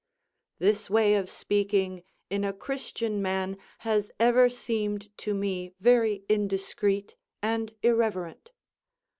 This way of speaking in a Christian man has ever seemed to me very indiscreet and irreverent.